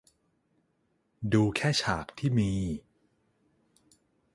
ดูแค่ฉากที่มี